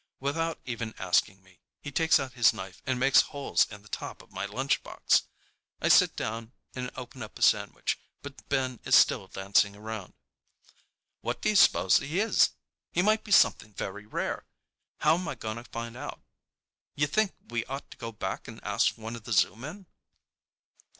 Without even asking me, he takes out his knife and makes holes in the top of my lunchbox. I sit down and open up a sandwich, but Ben is still dancing around. "What do you suppose he is? He might be something very rare! How'm I going to find out? You think we ought to go back and ask one of the zoo men?"